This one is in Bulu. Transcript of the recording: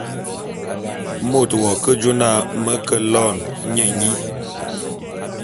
Môt w'ake jô na me ke loene nye nyi.